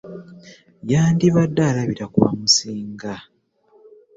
Yandibadde alabira ku bamusinga.